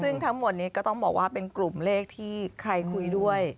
ซึ่งทั้งหมดนี้ก็ต้องบอกว่าเป็นกลุ่มเลขที่ใครคุยด้วย